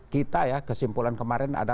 kita ya kesimpulan kemarin ada